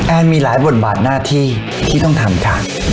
มีหลายบทบาทหน้าที่ที่ต้องทำกัน